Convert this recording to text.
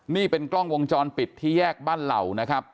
นี่เป็นกล้องวงจรปิดที่แยกบ้านเหล่านะครับ